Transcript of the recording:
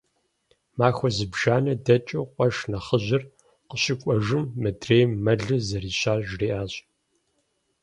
Махуэ зыбжанэ дэкӀыу къуэш нэхъыжьыр къыщыкӀуэжым, мыдрейм мэлыр зэрищар жриӀащ.